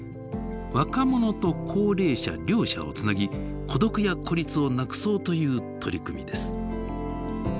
若者と高齢者両者をつなぎ孤独や孤立をなくそうという取り組みです。